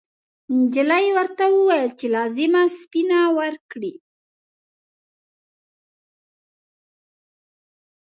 نجلۍ ورته وویل چې لازمه سپینه ورکړي.